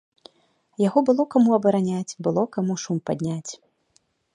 Яго было каму абараняць, было каму шум падняць.